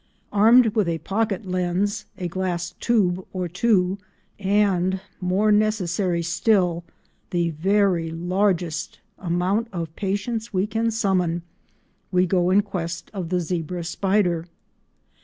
Armed with a pocket lens, a glass tube or two, and—more necessary still—the very largest amount of patience we can summon, we go in quest of the zebra spider.